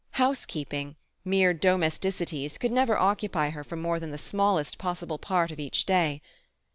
Housekeeping, mere domesticities, could never occupy her for more than the smallest possible part of each day.